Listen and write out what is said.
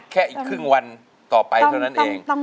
แค่อีกครึ่งวันต่อไปเท่านั้นเอง